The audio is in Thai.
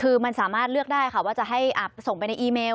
คือมันสามารถเลือกได้ค่ะว่าจะให้ส่งไปในอีเมล